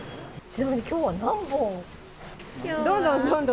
ちなみにきょうは何本？